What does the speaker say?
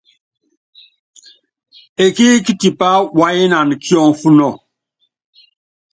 Ekíík tipá waáyinan kiɔfɔnɔ.